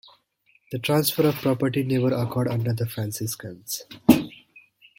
The transfer of property never occurred under the Franciscans.